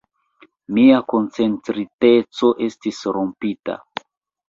Mia koncentriteco estis rompita.